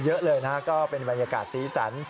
เยอะเลยนะก็เป็นบรรยากาศสีสัน